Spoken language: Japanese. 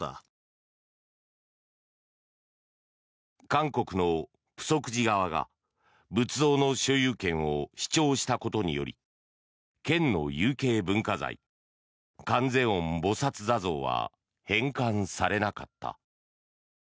韓国の浮石寺側が仏像の所有権を主張したことにより県の有形文化財観世音菩薩坐像は返還されなかった。